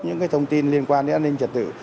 những thông tin liên quan đến an ninh trật tự